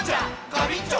ガビンチョ！